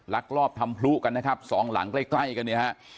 รักรอบทำพลุกันนะครับสองหลังใกล้กันนะฮะ